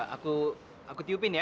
aku aku tiupin ya